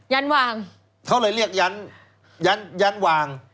ยันว่างเขาเลยรู้ยันวาง